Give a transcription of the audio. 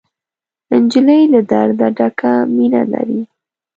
نجلۍ له درده ډکه مینه لري.